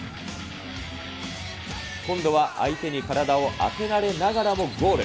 今度は相手に体を当てられながらもゴール。